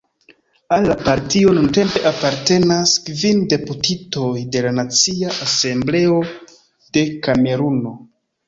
Al la partio nuntempe apartenas kvin deputitoj de la Nacia Asembleo de Kameruno.